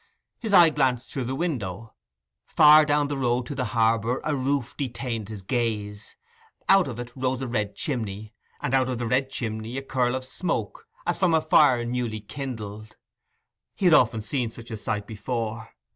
His eye glanced through the window. Far down the road to the harbour a roof detained his gaze: out of it rose a red chimney, and out of the red chimney a curl of smoke, as from a fire newly kindled. He had often seen such a sight before.